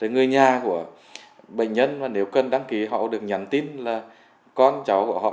người nhà của bệnh nhân mà nếu cần đăng ký họ được nhắn tin là con cháu của họ